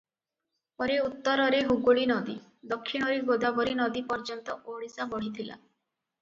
ପରେ ଉତ୍ତରରେ ହୁଗୁଳୀ ନଦୀ, ଦକ୍ଷିଣରେ ଗୋଦାବରୀ ନଦୀ ପର୍ଯ୍ୟନ୍ତ ଓଡିଶା ବଢିଥିଲା ।